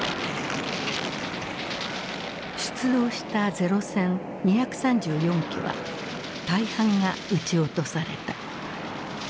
出動した零戦２３４機は大半が撃ち落とされた。